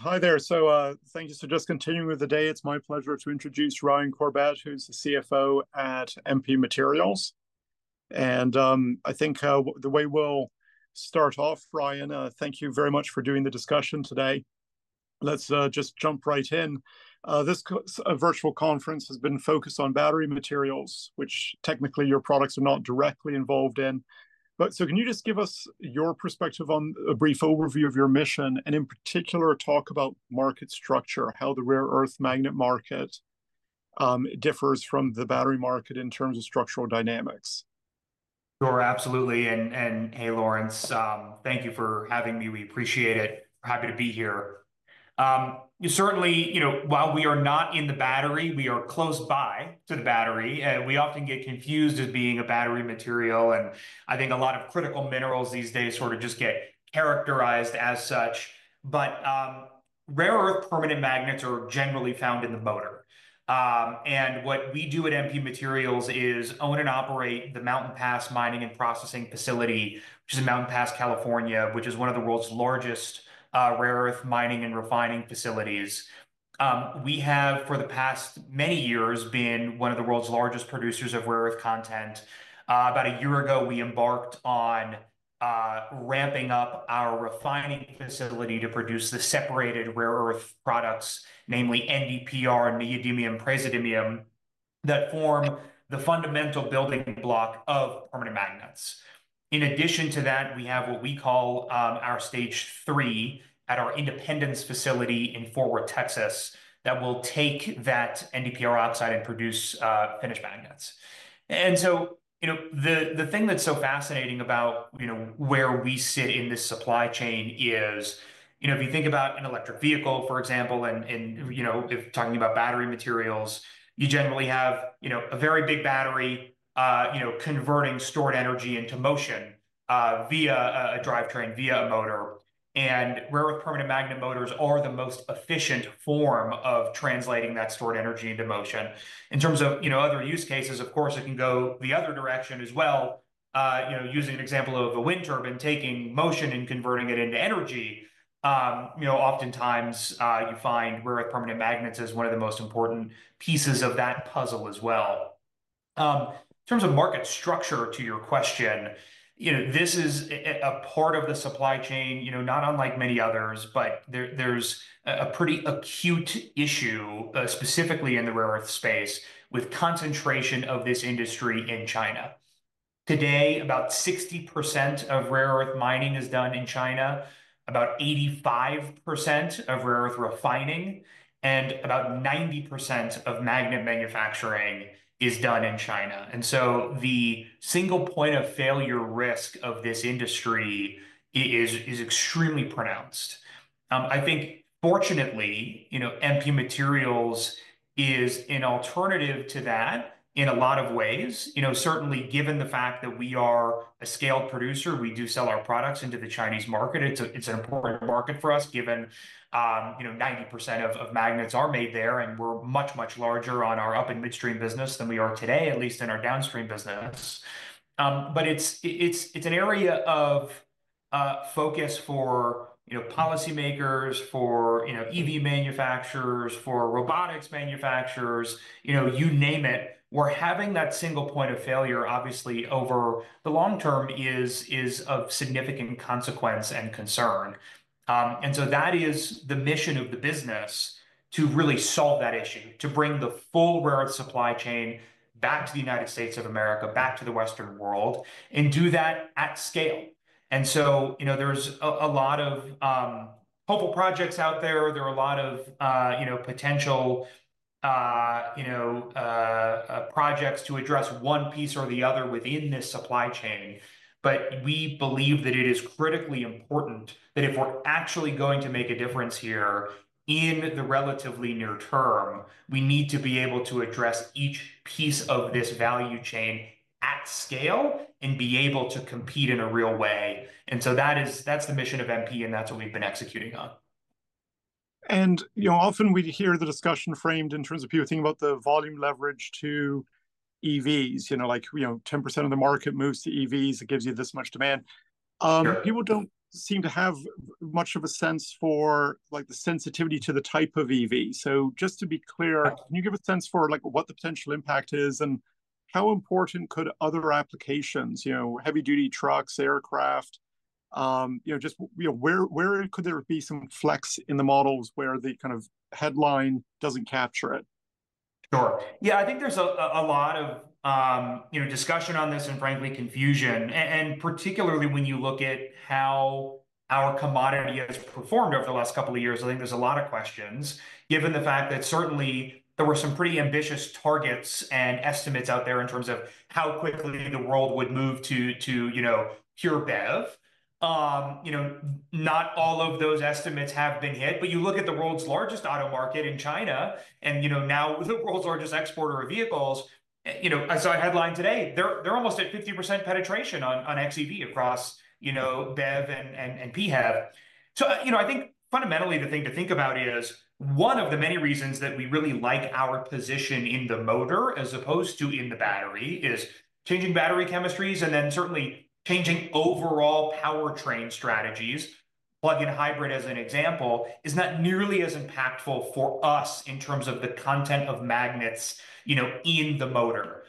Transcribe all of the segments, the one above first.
Hi there, so thank you for just continuing with the day. It's my pleasure to introduce Ryan Corbett, who's the CFO at MP Materials, and I think the way we'll start off, Ryan, thank you very much for doing the discussion today. Let's just jump right in. This virtual conference has been focused on battery materials, which technically your products are not directly involved in, but so can you just give us your perspective on a brief overview of your mission, and in particular talk about market structure, how the rare earth magnet market differs from the battery market in terms of structural dynamics? Sure, absolutely. And hey, Laurence, thank you for having me. We appreciate it. Happy to be here. You certainly, you know, while we are not in the battery, we are close by to the battery. And we often get confused as being a battery material. And I think a lot of critical minerals these days sort of just get characterized as such. But rare earth permanent magnets are generally found in the motor. And what we do at MP Materials is own and operate the Mountain Pass Mining and Processing Facility, which is in Mountain Pass, California, which is one of the world's largest rare earth mining and refining facilities. We have, for the past many years, been one of the world's largest producers of rare earth content. About a year ago, we embarked on ramping up our refining facility to produce the separated rare earth products, namely NdPr, neodymium-praseodymium, that form the fundamental building block of permanent magnets. In addition to that, we have what we call our Stage III at our Independence facility in Fort Worth, Texas, that will take that NdPr oxide and produce finished magnets. And so you know, the thing that's so fascinating about you know where we sit in this supply chain is you know if you think about an electric vehicle, for example, and you know if talking about battery materials, you generally have you know a very big battery you know converting stored energy into motion via a drivetrain via a motor. And rare earth permanent magnet motors are the most efficient form of translating that stored energy into motion. In terms of, you know, other use cases, of course, it can go the other direction as well. You know, using an example of a wind turbine, taking motion and converting it into energy, you know, oftentimes, you find rare earth permanent magnets as one of the most important pieces of that puzzle as well. In terms of market structure, to your question, you know, this is a part of the supply chain, you know, not unlike many others, but there, there's a pretty acute issue, specifically in the rare earth space with concentration of this industry in China. Today, about 60% of rare earth mining is done in China, about 85% of rare earth refining, and about 90% of magnet manufacturing is done in China. And so the single point of failure risk of this industry is, is extremely pronounced. I think, fortunately, you know, MP Materials is an alternative to that in a lot of ways. You know, certainly given the fact that we are a scaled producer, we do sell our products into the Chinese market. It's an important market for us given, you know, 90% of magnets are made there, and we're much, much larger on our up-and-midstream business than we are today, at least in our downstream business. But it's an area of focus for, you know, policymakers, for, you know, EV manufacturers, for robotics manufacturers, you know, you name it. We're having that single point of failure, obviously, over the long term is of significant consequence and concern. And so that is the mission of the business to really solve that issue, to bring the full rare earth supply chain back to the United States of America, back to the Western world, and do that at scale. And so, you know, there's a lot of hopeful projects out there. There are a lot of, you know, potential, you know, projects to address one piece or the other within this supply chain. But we believe that it is critically important that if we're actually going to make a difference here in the relatively near term, we need to be able to address each piece of this value chain at scale and be able to compete in a real way. And so that is, that's the mission of MP, and that's what we've been executing on. You know, often we hear the discussion framed in terms of people thinking about the volume leverage to EVs, you know, like, you know, 10% of the market moves to EVs, it gives you this much demand. People don't seem to have much of a sense for, like, the sensitivity to the type of EV. So just to be clear, can you give a sense for, like, what the potential impact is and how important could other applications, you know, heavy-duty trucks, aircraft, you know, just, you know, where, where could there be some flex in the models where the kind of headline doesn't capture it? Sure. Yeah, I think there's a lot of you know discussion on this and frankly confusion and particularly when you look at how our commodity has performed over the last couple of years. I think there's a lot of questions, given the fact that certainly there were some pretty ambitious targets and estimates out there in terms of how quickly the world would move to you know pure BEV. You know, not all of those estimates have been hit, but you look at the world's largest auto market in China and you know now the world's largest exporter of vehicles. You know, I saw a headline today. They're almost at 50% penetration on xEV across you know BEV and PHEV. You know, I think fundamentally the thing to think about is one of the many reasons that we really like our position in the motor as opposed to in the battery is changing battery chemistries and then certainly changing overall powertrain strategies. Plug-in hybrid as an example is not nearly as impactful for us in terms of the content of magnets, you know, in the motor.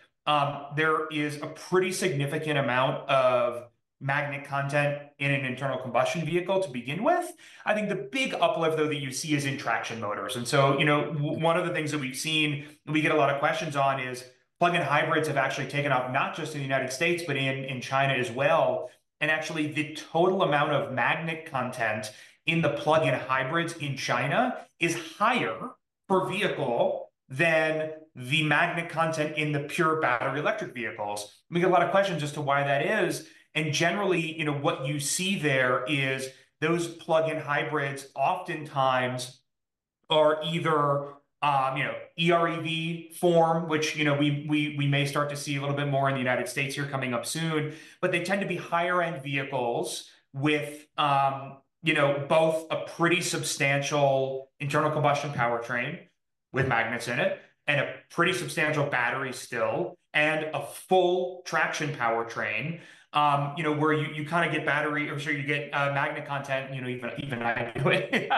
There is a pretty significant amount of magnet content in an internal combustion vehicle to begin with. I think the big uplift, though, that you see is in traction motors, and so you know, one of the things that we've seen and we get a lot of questions on is plug-in hybrids have actually taken off not just in the United States, but in China as well. Actually the total amount of magnet content in the plug-in hybrids in China is higher per vehicle than the magnet content in the pure battery electric vehicles. We get a lot of questions as to why that is. Generally, you know, what you see there is those plug-in hybrids oftentimes are either, you know, EREV form, which, you know, we may start to see a little bit more in the United States here coming up soon, but they tend to be higher-end vehicles with, you know, both a pretty substantial internal combustion powertrain with magnets in it and a pretty substantial battery still and a full traction powertrain, you know, where you kind of get battery or so you get magnet content, you know, even I do it.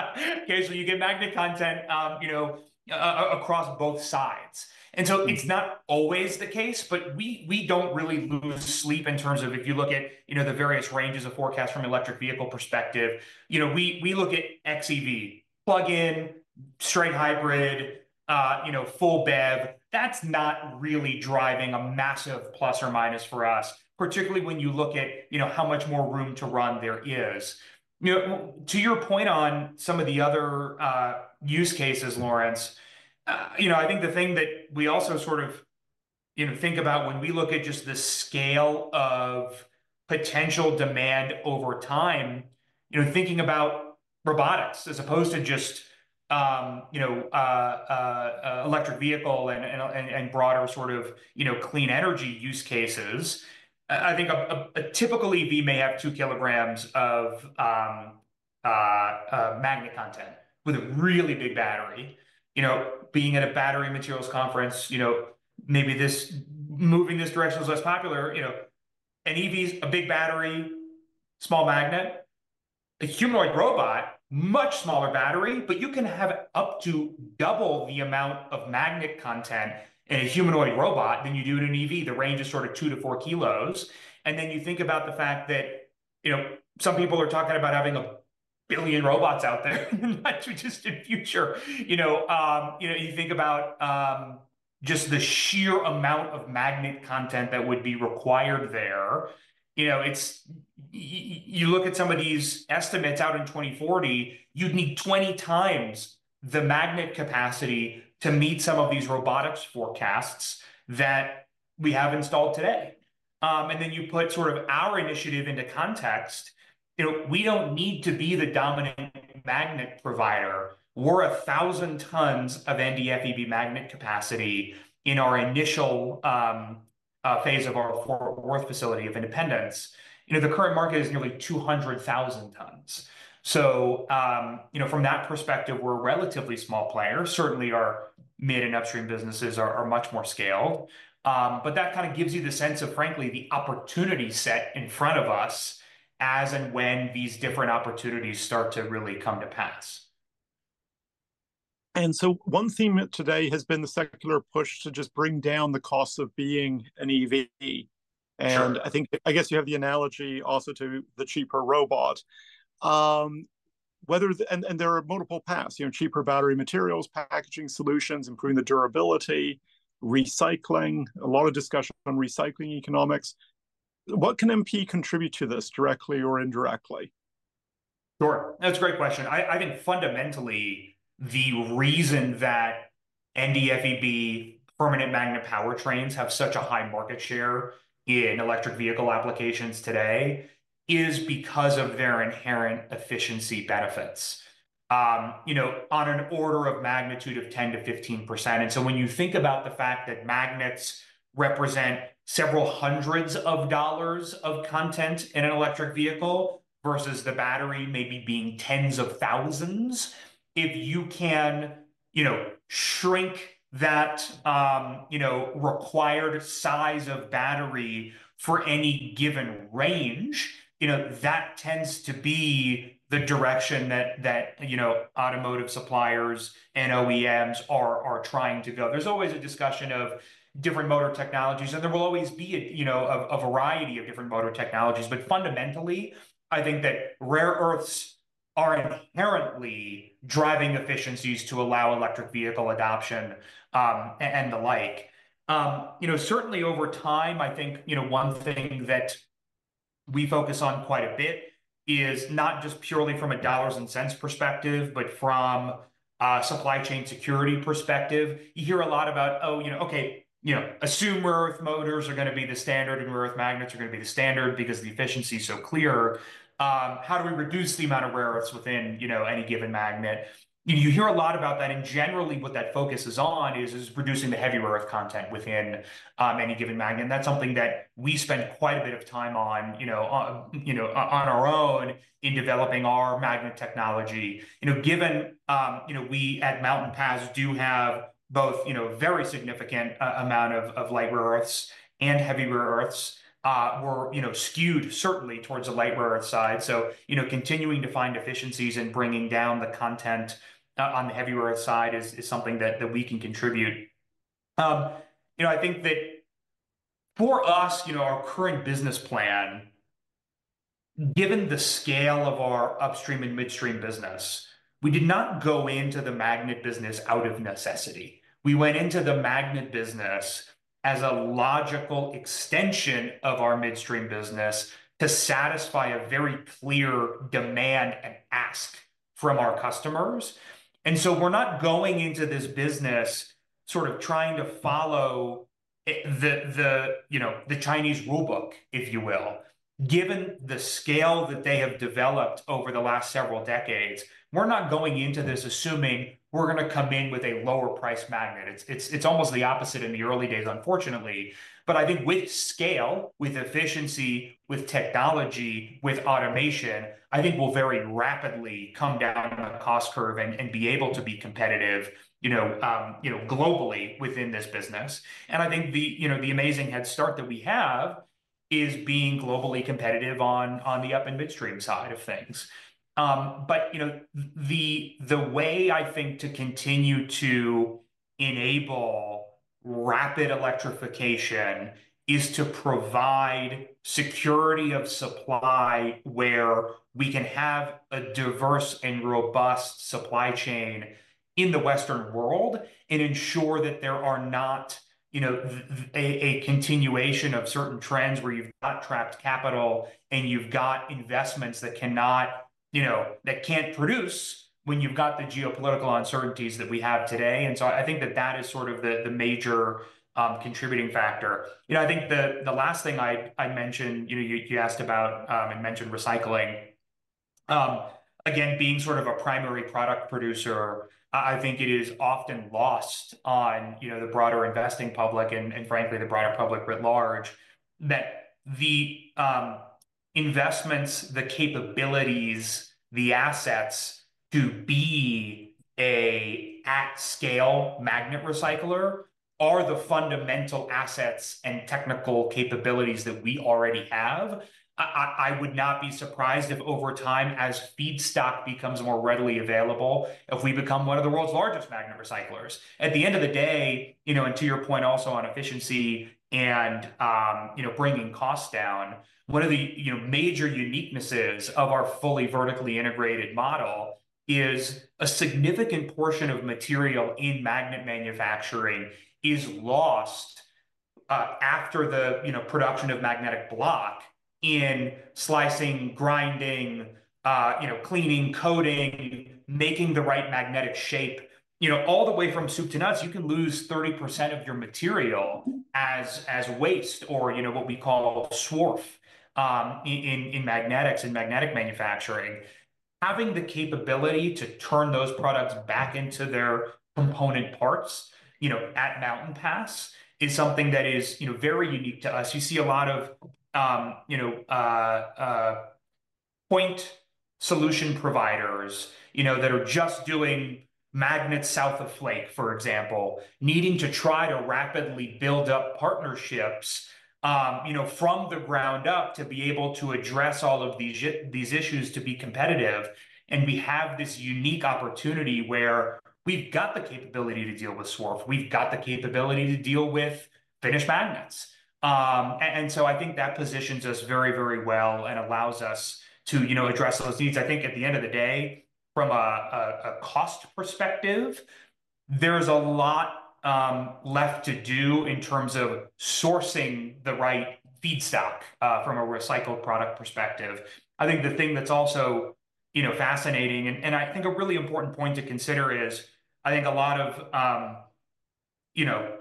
Okay. So you get magnet content, you know, across both sides. So it's not always the case, but we don't really lose sleep in terms of if you look at, you know, the various ranges of forecast from an electric vehicle perspective, you know, we look at xEV, plug-in, straight hybrid, you know, full BEV. That's not really driving a massive plus or minus for us, particularly when you look at, you know, how much more room to run there is. You know, to your point on some of the other use cases, Laurence, you know, I think the thing that we also sort of, you know, think about when we look at just the scale of potential demand over time, you know, thinking about robotics as opposed to just, you know, electric vehicle and broader sort of, you know, clean energy use cases, I think a typical EV may have two kilograms of magnet content with a really big battery. You know, being at a battery materials conference, you know, maybe this moving this direction is less popular, you know, an EV's a big battery, small magnet, a humanoid robot, much smaller battery, but you can have up to double the amount of magnet content in a humanoid robot than you do in an EV. The range is sort of two to four kilos. And then you think about the fact that, you know, some people are talking about having a billion robots out there in the not too distant future, you know, you know, you think about just the sheer amount of magnet content that would be required there. You know, it's, you look at some of these estimates out in 2040. You'd need 20 times the magnet capacity to meet some of these robotics forecasts that we have installed today, and then you put sort of our initiative into context. You know, we don't need to be the dominant magnet provider. We're a thousand tons of NdFeB magnet capacity in our initial phase of our Fort Worth facility, Independence. You know, the current market is nearly 200,000 tons. So, you know, from that perspective, we're a relatively small player. Certainly our mid and upstream businesses are, are much more scaled. But that kind of gives you the sense of, frankly, the opportunity set in front of us as and when these different opportunities start to really come to pass. And so one theme today has been the secular push to just bring down the cost of being an EV. And I think, I guess you have the analogy also to the cheaper robot. And there are multiple paths, you know, cheaper battery materials, packaging solutions, improving the durability, recycling, a lot of discussion on recycling economics. What can MP contribute to this directly or indirectly? Sure. That's a great question. I think fundamentally the reason that NdFeB permanent magnet powertrains have such a high market share in electric vehicle applications today is because of their inherent efficiency benefits. You know, on an order of magnitude of 10%-15%. And so when you think about the fact that magnets represent several hundreds of dollars of content in an electric vehicle versus the battery maybe being tens of thousands, if you can, you know, shrink that, you know, required size of battery for any given range, you know, that tends to be the direction that, you know, automotive suppliers and OEMs are trying to go. There's always a discussion of different motor technologies, and there will always be a, you know, variety of different motor technologies. But fundamentally, I think that rare earths are inherently driving efficiencies to allow electric vehicle adoption, and the like. You know, certainly over time, I think, you know, one thing that we focus on quite a bit is not just purely from a dollars and cents perspective, but from a supply chain security perspective. You hear a lot about, oh, you know, okay, you know, assume rare earth motors are gonna be the standard and rare earth magnets are gonna be the standard because the efficiency is so clear. How do we reduce the amount of rare earths within, you know, any given magnet? You know, you hear a lot about that. And generally what that focus is on is reducing the heavy rare earth content within any given magnet. And that's something that we spend quite a bit of time on, you know, on our own in developing our magnet technology. You know, given, you know, we at Mountain Pass do have both, you know, very significant amount of light rare earths and heavy rare earths, we're, you know, skewed certainly towards the light rare earth side. So, you know, continuing to find efficiencies and bringing down the content on the heavy rare earth side is something that we can contribute. You know, I think that for us, you know, our current business plan, given the scale of our upstream and midstream business, we did not go into the magnet business out of necessity. We went into the magnet business as a logical extension of our midstream business to satisfy a very clear demand and ask from our customers. We're not going into this business sort of trying to follow the you know the Chinese rule book, if you will, given the scale that they have developed over the last several decades. We're not going into this assuming we're gonna come in with a lower price magnet. It's almost the opposite in the early days, unfortunately. But I think with scale, with efficiency, with technology, with automation, I think we'll very rapidly come down on the cost curve and be able to be competitive you know globally within this business. And I think the you know the amazing head start that we have is being globally competitive on the up and midstream side of things. But you know, the way I think to continue to enable rapid electrification is to provide security of supply where we can have a diverse and robust supply chain in the Western world and ensure that there are not, you know, a continuation of certain trends where you've got trapped capital and you've got investments that cannot, you know, that can't produce when you've got the geopolitical uncertainties that we have today. And so I think that that is sort of the major contributing factor. You know, I think the last thing I mentioned, you know, you asked about, and mentioned recycling, again, being sort of a primary product producer, I would not be surprised if over time, as feedstock becomes more readily available, if we become one of the world's largest magnet recyclers. At the end of the day, you know, and to your point also on efficiency and, you know, bringing costs down, one of the, you know, major uniquenesses of our fully vertically integrated model is a significant portion of material in magnet manufacturing is lost, after the, you know, production of magnetic block in slicing, grinding, you know, cleaning, coating, making the right magnetic shape, you know, all the way from soup to nuts. You can lose 30% of your material as waste or, you know, what we call swarf in magnetics and magnetic manufacturing. Having the capability to turn those products back into their component parts, you know, at Mountain Pass is something that is, you know, very unique to us. You see a lot of, you know, point solution providers, you know, that are just doing magnets south of flake, for example, needing to try to rapidly build up partnerships, you know, from the ground up to be able to address all of these issues to be competitive, and we have this unique opportunity where we've got the capability to deal with swarf. We've got the capability to deal with finished magnets, and so I think that positions us very, very well and allows us to, you know, address those needs. I think at the end of the day, from a cost perspective, there's a lot left to do in terms of sourcing the right feedstock, from a recycled product perspective. I think the thing that's also, you know, fascinating and I think a really important point to consider is I think a lot of, you know,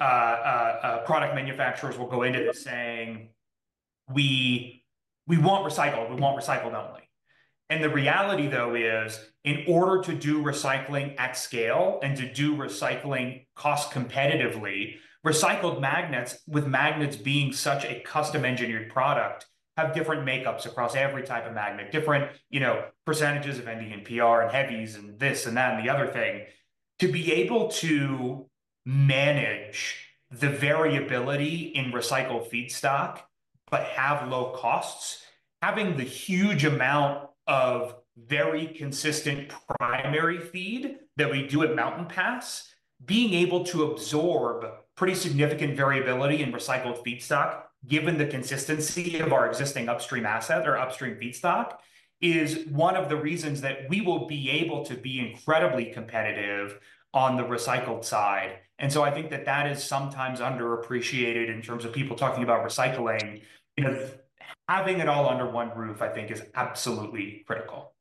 product manufacturers will go into this saying, we want recycled only. And the reality though is, in order to do recycling at scale and to do recycling cost competitively, recycled magnets with magnets being such a custom engineered product have different makeups across every type of magnet, different, you know, percentages of Nd and Pr and heavies and this and that and the other thing to be able to manage the variability in recycled feedstock, but have low costs. Having the huge amount of very consistent primary feed that we do at Mountain Pass, being able to absorb pretty significant variability in recycled feedstock, given the consistency of our existing upstream asset or upstream feedstock is one of the reasons that we will be able to be incredibly competitive on the recycled side. And so I think that that is sometimes underappreciated in terms of people talking about recycling, you know, having it all under one roof, I think is absolutely critical.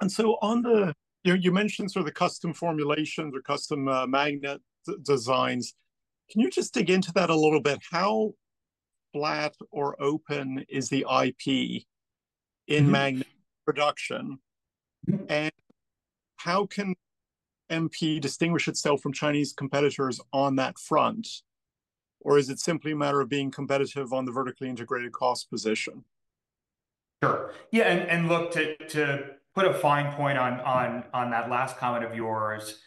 And so on the, you know, you mentioned sort of the custom formulations or custom magnet designs. Can you just dig into that a little bit? How flat or open is the IP in magnet production? And how can MP distinguish itself from Chinese competitors on that front? Or is it simply a matter of being competitive on the vertically integrated cost position? Sure. Yeah. And look, to put a fine point on that last comment of yours,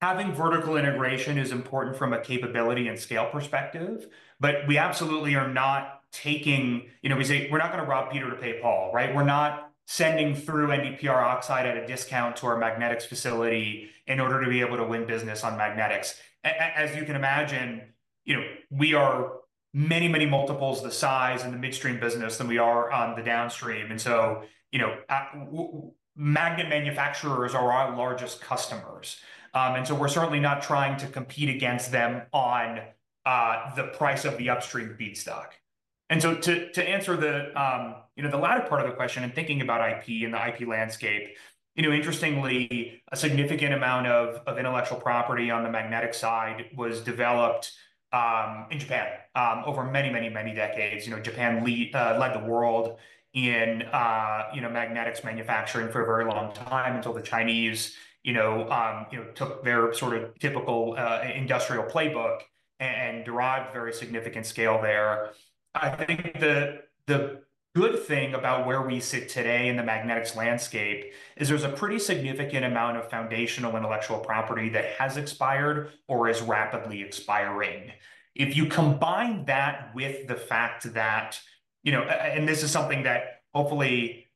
having vertical integration is important from a capability and scale perspective, but we absolutely are not taking, you know, we say we're not gonna rob Peter to pay Paul, right? We're not sending through NdPr oxide at a discount to our Magnetics facility in order to be able to win business on Magnetics. As you can imagine, you know, we are many, many multiples the size in the midstream business than we are on the downstream. And so, you know, magnet manufacturers are our largest customers. And so we're certainly not trying to compete against them on the price of the upstream feedstock. And so, to answer the you know the latter part of the question and thinking about IP and the IP landscape, you know, interestingly, a significant amount of intellectual property on the magnetic side was developed in Japan over many, many, many decades. You know, Japan led the world in you know magnetics manufacturing for a very long time until the Chinese you know took their sort of typical industrial playbook and derived very significant scale there. I think the good thing about where we sit today in the magnetics landscape is there's a pretty significant amount of foundational intellectual property that has expired or is rapidly expiring. If you combine that with the fact that, you know, and this is something that hopefully,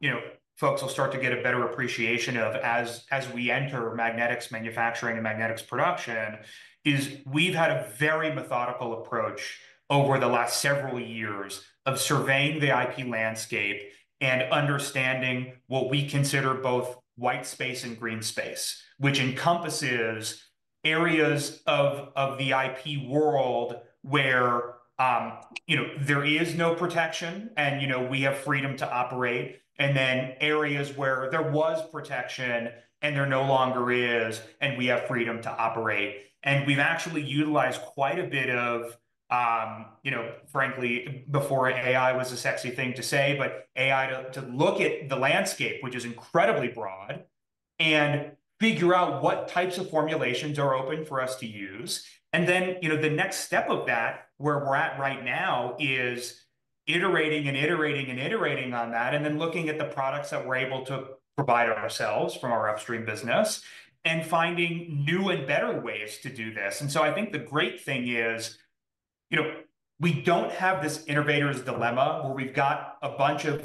you know, folks will start to get a better appreciation of as, as we enter magnetics manufacturing and magnetics production is we've had a very methodical approach over the last several years of surveying the IP landscape and understanding what we consider both white space and green space, which encompasses areas of, of the IP world where, you know, there is no protection and, you know, we have freedom to operate and then areas where there was protection and there no longer is and we have freedom to operate. And we've actually utilized quite a bit of, you know, frankly, before AI was a sexy thing to say, but AI to, to look at the landscape, which is incredibly broad and figure out what types of formulations are open for us to use. And then, you know, the next step of that where we're at right now is iterating and iterating and iterating on that and then looking at the products that we're able to provide ourselves from our upstream business and finding new and better ways to do this. And so I think the great thing is, you know, we don't have this innovator's dilemma where we've got a bunch of,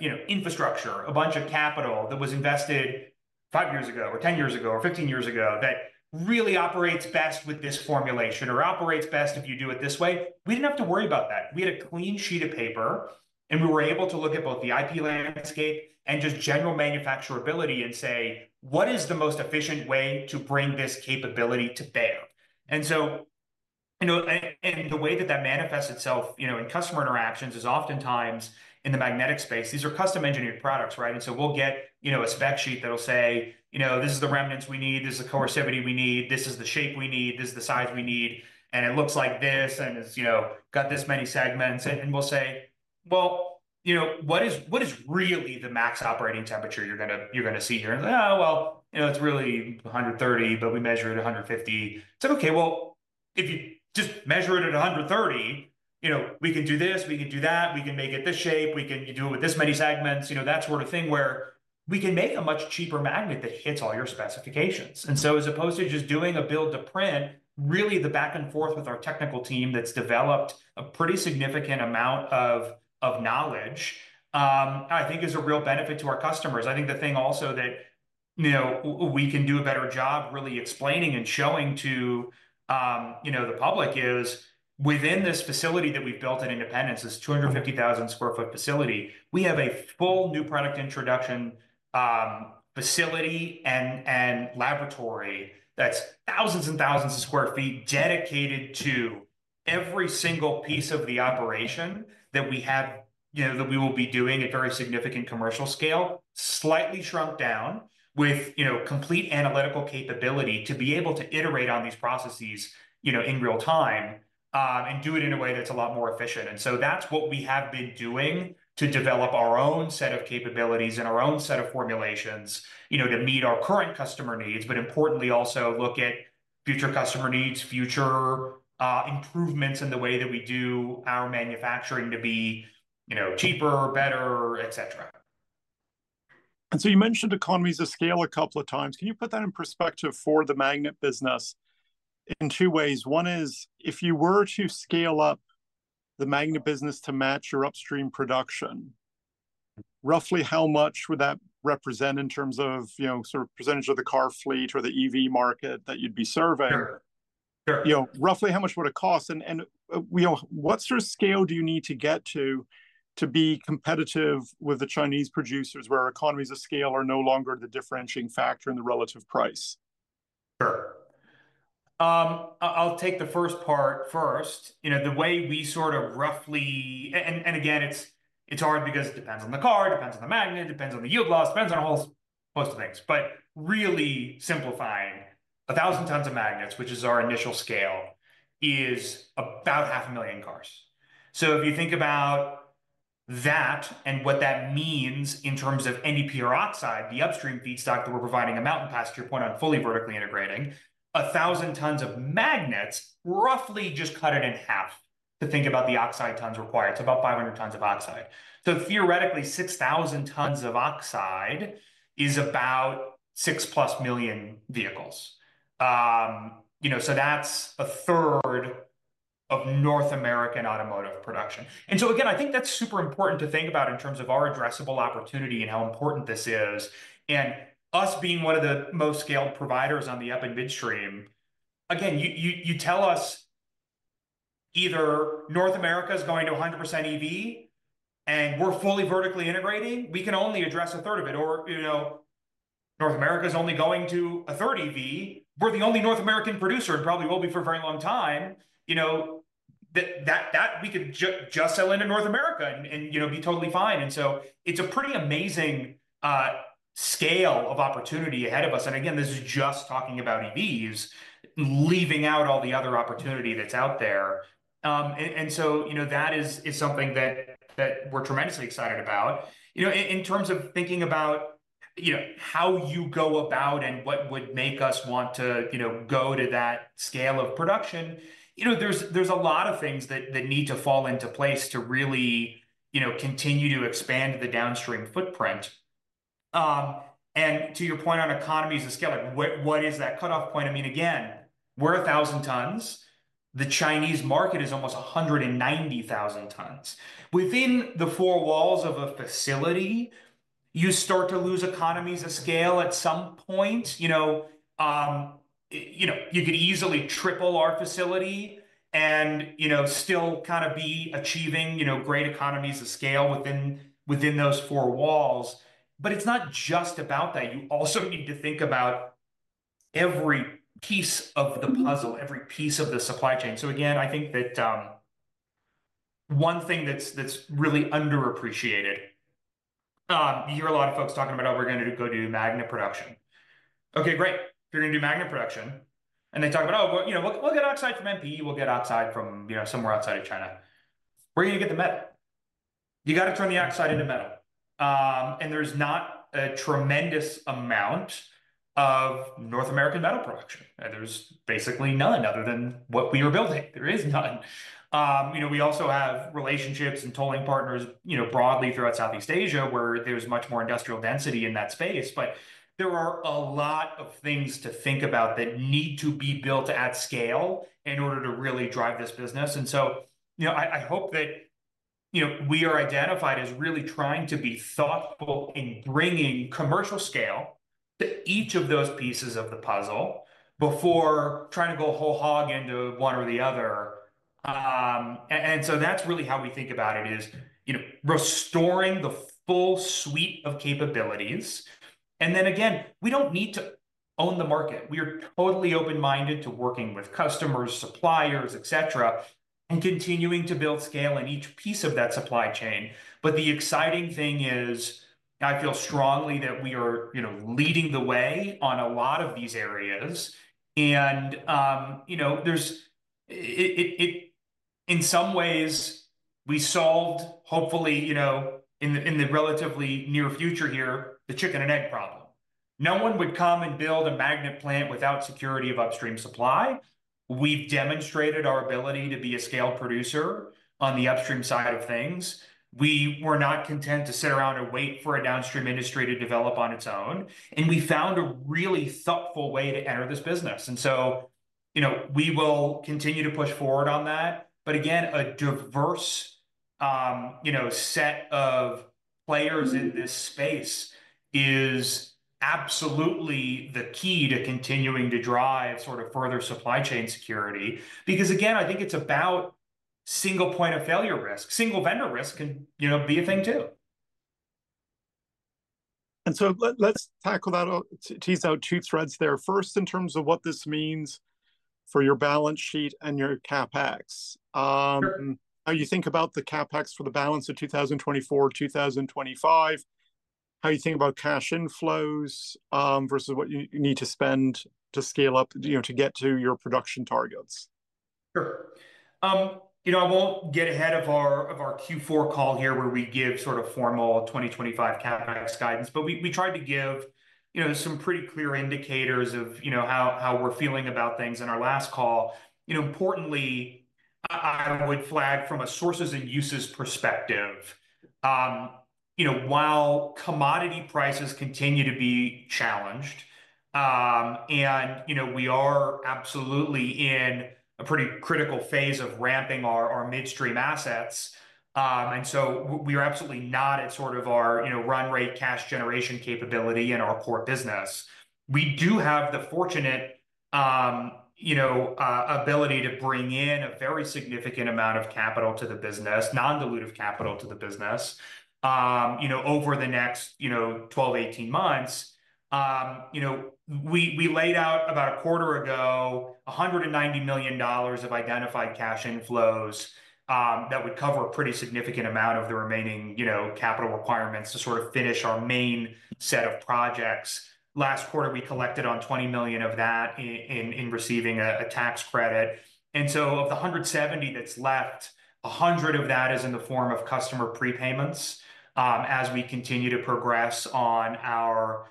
you know, infrastructure, a bunch of capital that was invested five years ago or 10 years ago or 15 years ago that really operates best with this formulation or operates best if you do it this way. We didn't have to worry about that. We had a clean sheet of paper and we were able to look at both the IP landscape and just general manufacturability and say, what is the most efficient way to bring this capability to bear? And so, you know, the way that that manifests itself, you know, in customer interactions is oftentimes in the magnetic space, these are custom engineered products, right? And so we'll get, you know, a spec sheet that'll say, you know, this is the remanence we need, this is the coercivity we need, this is the shape we need, this is the size we need, and it looks like this and it's, you know, got this many segments. And we'll say, well, you know, what is really the max operating temperature you're gonna see here? And it's like, oh, well, you know, it's really 130, but we measure it at 150. It's like, okay, well, if you just measure it at 130, you know, we can do this, we can do that, we can make it this shape, we can do it with this many segments, you know, that sort of thing where we can make a much cheaper magnet that hits all your specifications. And so as opposed to just doing a build to print, really the back and forth with our technical team that's developed a pretty significant amount of knowledge, I think is a real benefit to our customers. I think the thing also that, you know, we can do a better job really explaining and showing to, you know, the public is within this facility that we've built at Independence, this 250,000 sq ft facility. We have a full new product introduction facility and laboratory that's thousands and thousands of sq ft dedicated to every single piece of the operation that we have, you know, that we will be doing at very significant commercial scale, slightly shrunk down with, you know, complete analytical capability to be able to iterate on these processes, you know, in real time, and do it in a way that's a lot more efficient. That's what we have been doing to develop our own set of capabilities and our own set of formulations, you know, to meet our current customer needs, but importantly also look at future customer needs, future, improvements in the way that we do our manufacturing to be, you know, cheaper, better, et cetera. You mentioned economies of scale a couple of times. Can you put that in perspective for the Magnet business in two ways? One is if you were to scale up the Magnet business to match your upstream production, roughly how much would that represent in terms of, you know, sort of percentage of the car fleet or the EV market that you'd be serving? Sure. You know, roughly how much would it cost? And you know, what sort of scale do you need to get to, to be competitive with the Chinese producers where economies of scale are no longer the differentiating factor in the relative price? Sure. I'll take the first part first. You know, the way we sort of roughly, and again, it's hard because it depends on the car, it depends on the Magnet, it depends on the yield loss, depends on a whole host of things. But really simplifying, 1,000 tons of magnets, which is our initial scale, is about 500,000 cars. So if you think about that and what that means in terms of NdPr oxide, the upstream feedstock that we're providing at Mountain Pass to your point on fully vertically integrating, 1,000 tons of magnets roughly just cut it in half to think about the oxide tons required. It's about 500 tons of oxide. So theoretically, 6,000 tons of oxide is about 6+ million vehicles. You know, so that's a third of North American automotive production. And so again, I think that's super important to think about in terms of our addressable opportunity and how important this is and us being one of the most scaled providers on the up and midstream. Again, you tell us either North America's going to 100% EV and we're fully vertically integrating, we can only address a third of it or, you know, North America's only going to a third EV. We're the only North American producer and probably will be for a very long time, you know, that we could just sell into North America and, you know, be totally fine. And so it's a pretty amazing scale of opportunity ahead of us. And again, this is just talking about EVs, leaving out all the other opportunity that's out there. and so, you know, that is something that we're tremendously excited about, you know, in terms of thinking about, you know, how you go about and what would make us want to, you know, go to that scale of production. You know, there's a lot of things that need to fall into place to really, you know, continue to expand the downstream footprint. And to your point on economies of scale, like what is that cutoff point? I mean, again, we're a thousand tons. The Chinese market is almost 190,000 tons. Within the four walls of a facility, you start to lose economies of scale at some point, you know, you could easily triple our facility and, you know, still kind of be achieving, you know, great economies of scale within those four walls. But it's not just about that. You also need to think about every piece of the puzzle, every piece of the supply chain. So again, I think that one thing that's really underappreciated. You hear a lot of folks talking about, oh, we're gonna go do magnet production. Okay, great. They're gonna do magnet production and they talk about, oh, well, you know, we'll get oxide from MP. We'll get oxide from, you know, somewhere outside of China. We're gonna get the metal. You gotta turn the oxide into metal, and there's not a tremendous amount of North American metal production. There's basically none other than what we are building. There is none. You know, we also have relationships and tolling partners, you know, broadly throughout Southeast Asia where there's much more industrial density in that space, but there are a lot of things to think about that need to be built at scale in order to really drive this business, and so, you know, I hope that, you know, we are identified as really trying to be thoughtful in bringing commercial scale to each of those pieces of the puzzle before trying to go whole hog into one or the other, and so that's really how we think about it is, you know, restoring the full suite of capabilities, and then again, we don't need to own the market. We are totally open-minded to working with customers, suppliers, et cetera, and continuing to build scale in each piece of that supply chain. But the exciting thing is I feel strongly that we are, you know, leading the way on a lot of these areas. And, you know, it in some ways we solved hopefully, you know, in the relatively near future here, the chicken and egg problem. No one would come and build a magnet plant without security of upstream supply. We've demonstrated our ability to be a scaled producer on the upstream side of things. We were not content to sit around and wait for a downstream industry to develop on its own. And we found a really thoughtful way to enter this business. And so, you know, we will continue to push forward on that. But again, a diverse, you know, set of players in this space is absolutely the key to continuing to drive sort of further supply chain security. Because again, I think it's about single point of failure risk. Single vendor risk can, you know, be a thing too. And so let's tackle that, tease out two threads there. First, in terms of what this means for your balance sheet and your CapEx, how you think about the CapEx for the balance of 2024, 2025, how you think about cash inflows versus what you need to spend to scale up, you know, to get to your production targets. Sure. You know, I won't get ahead of our Q4 call here where we give sort of formal 2025 CapEx guidance, but we tried to give, you know, some pretty clear indicators of, you know, how we're feeling about things, and our last call, you know, importantly, I would flag from a sources and uses perspective, you know, while commodity prices continue to be challenged, and, you know, we are absolutely in a pretty critical phase of ramping our midstream assets, and so we are absolutely not at sort of our, you know, run rate cash generation capability in our core business. We do have the fortunate, you know, ability to bring in a very significant amount of capital to the business, non-dilutive capital to the business, you know, over the next, you know, 12-18 months. You know, we laid out about a quarter ago $190 million of identified cash inflows that would cover a pretty significant amount of the remaining, you know, capital requirements to sort of finish our main set of projects. Last quarter, we collected on $20 million of that in receiving a tax credit. And so of the $170 million that's left, $100 million of that is in the form of customer prepayments as we continue to progress on our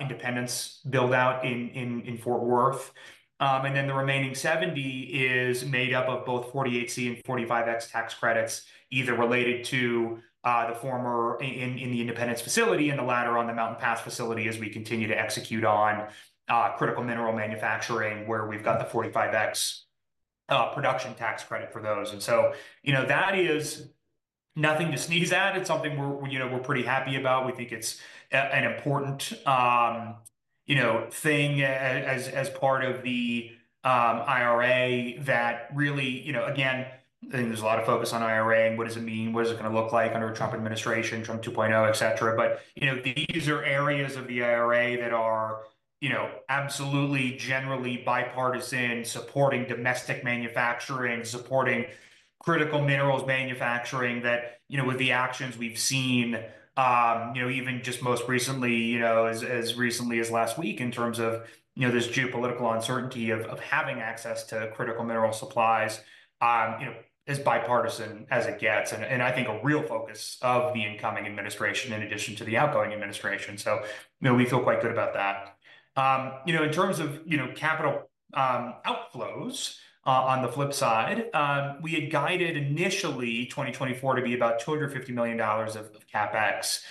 Independence buildout in Fort Worth, and then the remaining $70 million is made up of both 48C and 45X tax credits, either related to the former in the Independence facility and the latter on the Mountain Pass facility as we continue to execute on critical mineral manufacturing where we've got the 45X production tax credit for those. And so, you know, that is nothing to sneeze at. It's something we're, you know, we're pretty happy about. We think it's an important, you know, thing as part of the IRA that really, you know, again, I think there's a lot of focus on IRA and what does it mean? What is it gonna look like under a Trump administration, Trump 2.0, et cetera? But, you know, these are areas of the IRA that are, you know, absolutely generally bipartisan, supporting domestic manufacturing, supporting critical minerals manufacturing that, you know, with the actions we've seen, you know, even just most recently, you know, as recently as last week in terms of, you know, this geopolitical uncertainty of having access to critical mineral supplies, you know, as bipartisan as it gets. And I think a real focus of the incoming administration in addition to the outgoing administration. So, you know, we feel quite good about that. You know, in terms of, you know, capital outflows, on the flip side, we had guided initially 2024 to be about $250 million of CapEx.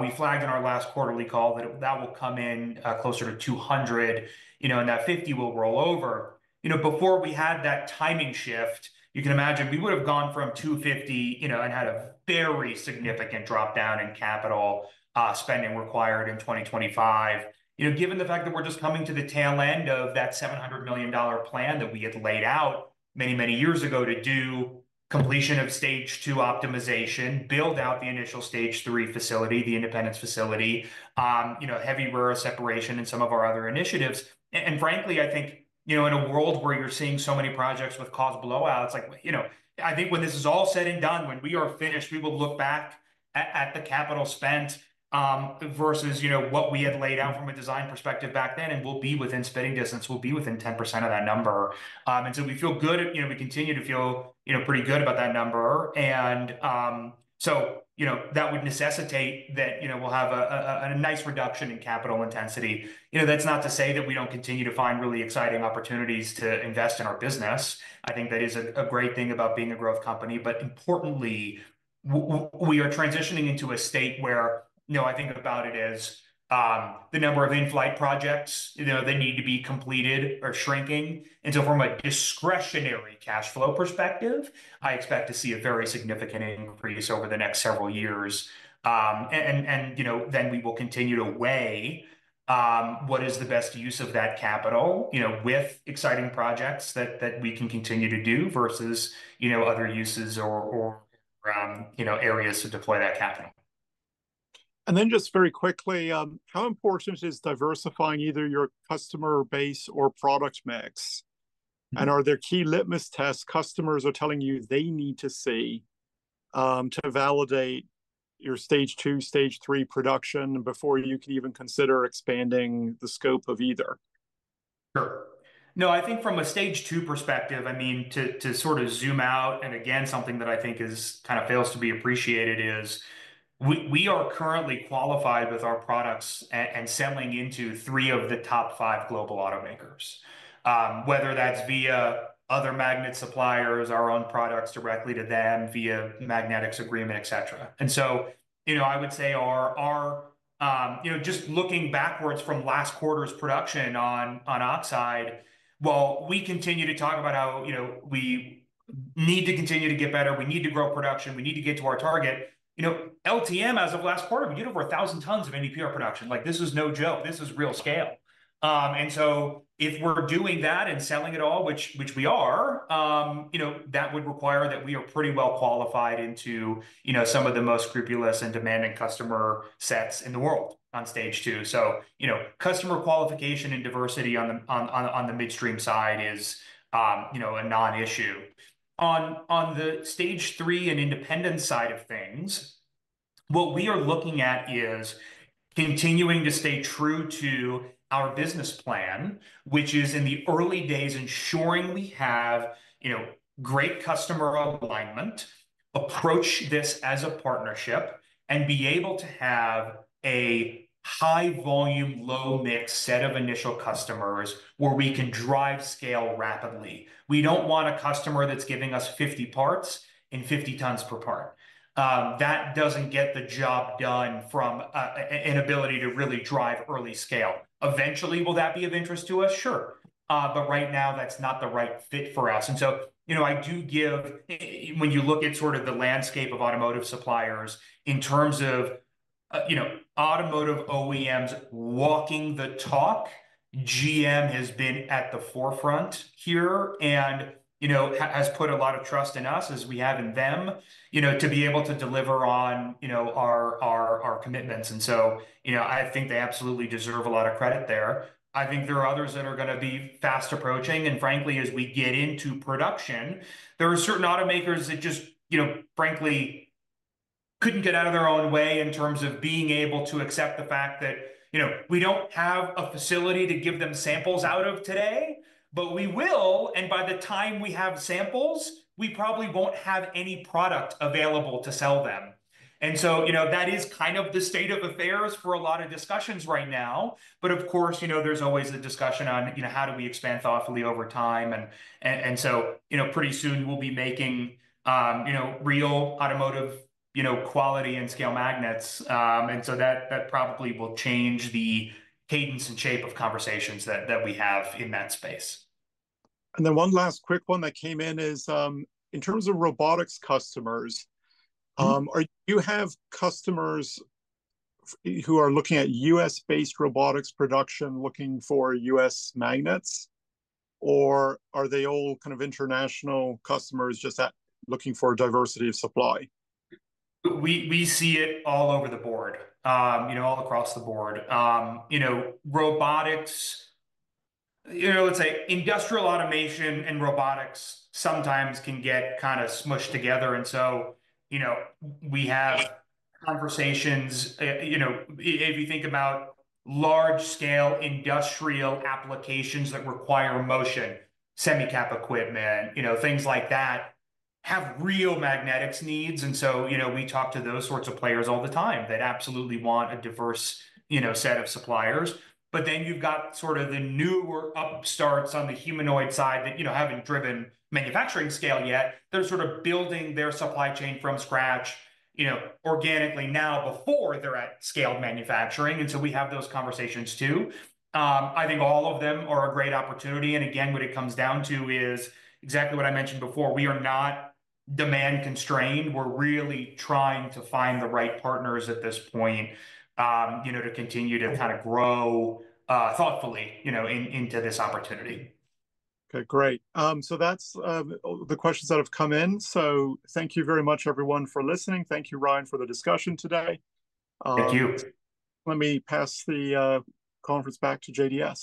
We flagged in our last quarterly call that that will come in closer to $200 million, you know, and that $50 million will roll over, you know, before we had that timing shift. You can imagine we would've gone from $250 million, you know, and had a very significant dropdown in capital spending required in 2025. You know, given the fact that we're just coming to the tail end of that $700 million plan that we had laid out many, many years ago to do completion of Stage II optimization, build out the initial Stage III facility, the Independence facility, you know, heavy rare earth separation and some of our other initiatives. Frankly, I think, you know, in a world where you're seeing so many projects with cost blowouts, like, you know, I think when this is all said and done, when we are finished, we will look back at the capital spent, versus, you know, what we had laid out from a design perspective back then and we'll be within spitting distance, we'll be within 10% of that number. And so we feel good at, you know, we continue to feel, you know, pretty good about that number. So, you know, that would necessitate that, you know, we'll have a nice reduction in capital intensity. You know, that's not to say that we don't continue to find really exciting opportunities to invest in our business. I think that is a great thing about being a growth company. But importantly, we are transitioning into a state where, you know, I think about it as the number of in-flight projects, you know, that need to be completed are shrinking. And so from a discretionary cash flow perspective, I expect to see a very significant increase over the next several years. And you know, then we will continue to weigh what is the best use of that capital, you know, with exciting projects that we can continue to do versus, you know, other uses or, you know, areas to deploy that capital. Then just very quickly, how important is diversifying either your customer base or product mix? Are there key litmus tests customers are telling you they need to see, to validate your Stage II, Stage III production before you can even consider expanding the scope of either? Sure. No, I think from a Stage II perspective, I mean, to sort of zoom out and again, something that I think is kind of fails to be appreciated is we are currently qualified with our products and selling into three of the top five global automakers, whether that's via other magnet suppliers, our own products directly to them via magnetics agreement, et cetera, and so, you know, I would say our you know, just looking backwards from last quarter's production on oxide, while we continue to talk about how, you know, we need to continue to get better, we need to grow production, we need to get to our target, you know, LTM as of last quarter, we did over 1,000 tons of NdPr production. Like this is no joke. This is real scale. And so if we're doing that and selling it all, which we are, you know, that would require that we are pretty well qualified into, you know, some of the most scrupulous and demanding customer sets in the world on Stage II. So, you know, customer qualification and diversity on the midstream side is, you know, a non-issue on the Stage III and Independence side of things. What we are looking at is continuing to stay true to our business plan, which is in the early days ensuring we have, you know, great customer alignment, approach this as a partnership, and be able to have a high volume, low mix set of initial customers where we can drive scale rapidly. We don't want a customer that's giving us 50 parts in 50 tons per part. That doesn't get the job done from an ability to really drive early scale. Eventually, will that be of interest to us? Sure, but right now that's not the right fit for us. You know, I do give, when you look at sort of the landscape of automotive suppliers in terms of, you know, automotive OEMs walking the talk. GM has been at the forefront here and, you know, has put a lot of trust in us as we have in them, you know, to be able to deliver on, you know, our commitments. You know, I think they absolutely deserve a lot of credit there. I think there are others that are gonna be fast approaching. Frankly, as we get into production, there are certain automakers that just, you know, frankly couldn't get out of their own way in terms of being able to accept the fact that, you know, we don't have a facility to give them samples out of today, but we will. By the time we have samples, we probably won't have any product available to sell them. So, you know, that is kind of the state of affairs for a lot of discussions right now. Of course, you know, there's always a discussion on, you know, how do we expand thoughtfully over time? So, you know, pretty soon we'll be making, you know, real automotive, you know, quality and scale magnets, so that probably will change the cadence and shape of conversations that we have in that space. Then one last quick one that came in is, in terms of robotics customers, do you have customers who are looking at U.S.-based robotics production looking for U.S. magnets or are they all kind of international customers just looking for diversity of supply? We see it all over the board, you know, all across the board. You know, robotics, you know, let's say industrial automation and robotics sometimes can get kind of smushed together. And so, you know, we have conversations, you know, if you think about large scale industrial applications that require motion, semi-cap equipment, you know, things like that have real magnetics needs. And so, you know, we talk to those sorts of players all the time that absolutely want a diverse, you know, set of suppliers. But then you've got sort of the newer upstarts on the humanoid side that, you know, haven't driven manufacturing scale yet. They're sort of building their supply chain from scratch, you know, organically now before they're at scaled manufacturing. And so we have those conversations too. I think all of them are a great opportunity. Again, what it comes down to is exactly what I mentioned before. We are not demand constrained. We're really trying to find the right partners at this point, you know, to continue to kind of grow, thoughtfully, you know, into this opportunity. Okay, great. So that's the questions that have come in. So thank you very much, everyone, for listening. Thank you, Ryan, for the discussion today. Thank you. Let me pass the conference back to JDS.